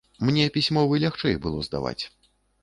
Мне пісьмовы лягчэй было здаваць.